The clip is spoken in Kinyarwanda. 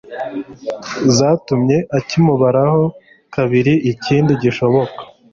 zatumye akimubaraho kabiri ikindi gishoboka